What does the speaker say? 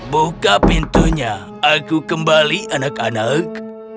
buka pintunya aku kembali anak anak